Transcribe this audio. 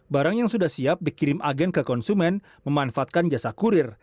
barang yang sudah siap dikirim agen ke konsumen memanfaatkan jasa kurir